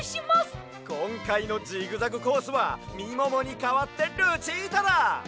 こんかいのジグザグコースはみももにかわってルチータだ！